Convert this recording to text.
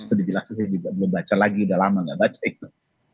itu dijelaskan juga belum baca lagi sudah lama tidak baca itu